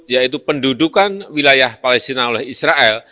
yaitu pendudukan wilayah palestina oleh israel